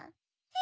え！